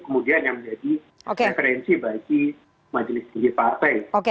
kemudian yang menjadi referensi bagi